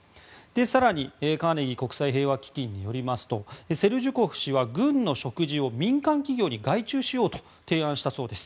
更に、カーネギー国際平和基金によりますとセルジュコフ氏は軍の食事を民間企業に外注しようと提案したそうです。